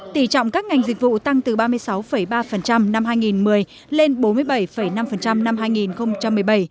tỷ trọng các ngành dịch vụ tăng từ ba mươi sáu ba năm hai nghìn một mươi lên bốn mươi bảy năm năm hai nghìn một mươi bảy